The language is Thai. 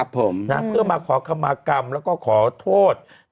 ผมนะเพื่อมาขอคำมากรรมแล้วก็ขอโทษ